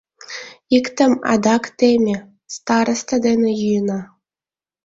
Иктым адак теме, старысте дене йӱына.